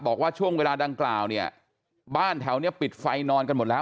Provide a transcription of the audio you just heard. บอกว่าช่วงเวลาดังกล่าวเนี่ยบ้านแถวนี้ปิดไฟนอนกันหมดแล้ว